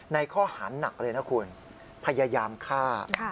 ในข้อหาหนักเลยนะคุณพยายามฆ่า